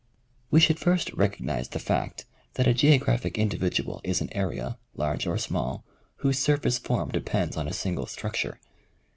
We should first recognize the fact that a geographic individual is an area, large or small, whose surface form depends on a single structure.